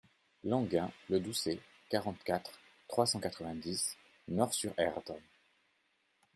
Languin - Le Doussais, quarante-quatre, trois cent quatre-vingt-dix Nort-sur-Erdre